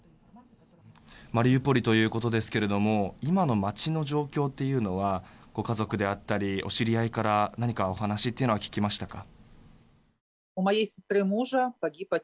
マリウポリということですが今の街の状況というのはご家族であったりお知り合いから何かお話というものは聞きましたか。